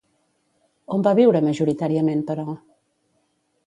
On va viure majoritàriament, però?